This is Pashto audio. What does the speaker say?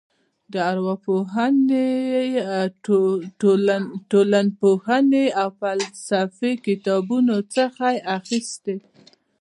د ارواپوهنې ټولنپوهنې او فلسفې کتابونو څخه یې اخیستې.